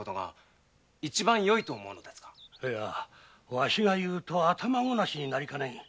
わしが言うと頭ごなしになりかねん。